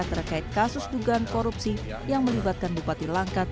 terkait kasus dugaan korupsi yang melibatkan bupati langkat